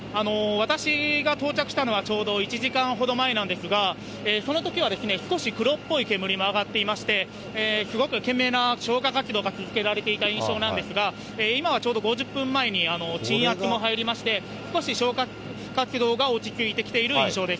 私が到着したのはちょうど１時間ほど前なんですが、そのときは少し黒っぽい煙も上がっていまして、すごく懸命な消火活動が続けられていた印象なんですが、今はちょうど５０分前に、鎮圧も入りまして、少し消火活動が落ち着いてきている状況です。